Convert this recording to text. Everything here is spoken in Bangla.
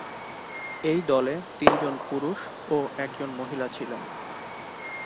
এই দলে তিনজন পুরুষ ও একজন মহিলা ছিলেন।